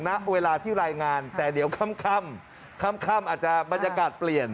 ณเวลาที่รายงานแต่เดี๋ยวค่ำค่ำอาจจะบรรยากาศเปลี่ยน